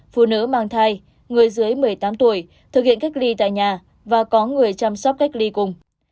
phụ nữ mang thai người dưới một mươi tám tuổi thực hiện cách ly tại nhà và có người chăm sóc cách ly cùng